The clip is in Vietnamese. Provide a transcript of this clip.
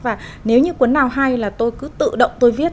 và nếu như cuốn nào hay là tôi cứ tự động tôi viết